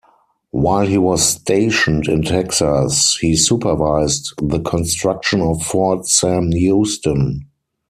While he was stationed in Texas, he supervised the construction of Fort Sam Houston.